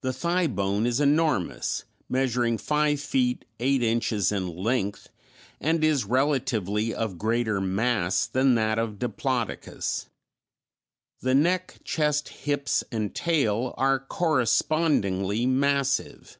The thigh bone is enormous, measuring five feet eight inches in length, and is relatively of greater mass than that of Diplodocus. The neck, chest, hips, and tail are correspondingly massive.